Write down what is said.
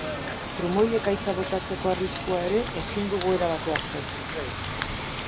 Trumoi-ekaitza botatzeko arriskua ere ezin dugu erabat baztertu.